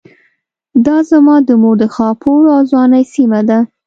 دا زما د مور د خاپوړو او ځوانۍ سيمه ده.